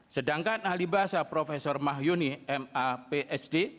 sedangkan ahli bahasa prof mahyuni mapsd